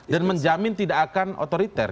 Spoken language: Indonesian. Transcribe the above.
dan menjamin tidak akan otoriter